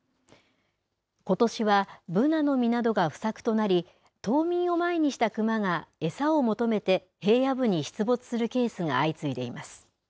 ことしはブナの実などが不作となり、冬眠を前にしたクマが、餌を求めて平野部に出没するケースが相次いでいます。